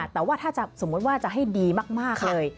แต่ว่าถ้าจะสมมุติว่าจะให้ดีมากเลย